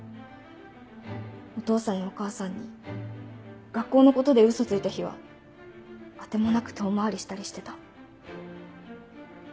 お父さんやお母さんに学校のことでウソついた日は当てもなく遠回りしたりしてた。